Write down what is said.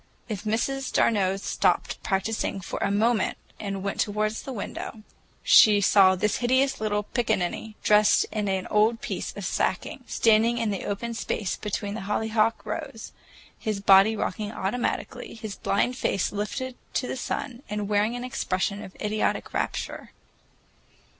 If Miss d'Arnault stopped practicing for a moment and went toward the window, she saw this hideous little pickaninny, dressed in an old piece of sacking, standing in the open space between the hollyhock rows, his body rocking automatically, his blind face lifted to the sun and wearing an expression of idiotic rapture.